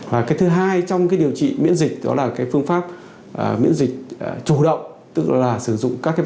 và cái thứ hai trong cái điều trị miễn dịch đó là cái phương pháp miễn dịch chủ động